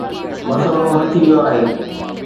مسئلو حل ٿي ويو آهي.